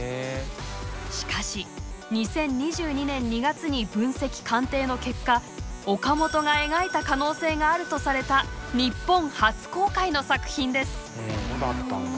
しかし２０２２年２月に分析・鑑定の結果岡本が描いた可能性があるとされた日本初公開の作品です。